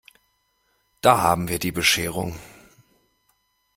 Da haben wir die Bescherung!